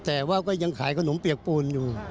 แต่ว่าก็ยังขายขนมเปียกปูนอยู่